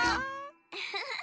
ウフフッ。